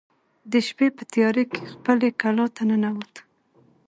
د شپې په تیاره کې خپلې کلا ته ننوت.